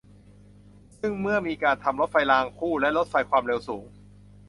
ซึ่งเมื่อมีการทำรถไฟรางคู่ และ รถไฟความเร็วสูง